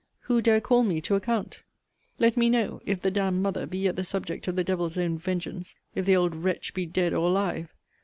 who dare call me to account? Let me know, if the d d mother be yet the subject of the devil's own vengeance if the old wretch be dead or alive?